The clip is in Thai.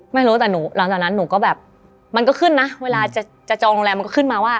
ไม่รู้แต่หนูหลังจากนั้นหนูก็แบบมันก็ขึ้นนะเวลาจะจองโรงแรมมันก็ขึ้นมาว่า